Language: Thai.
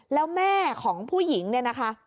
แล้วแม่ของผู้หญิงเนี่ยนะคะ